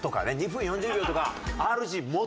２分４０秒とか。